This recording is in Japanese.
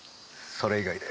それ以外で。